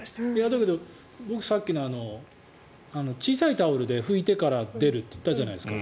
だけど、僕さっきの小さいタオルで拭いてから出るって言ったじゃないですか。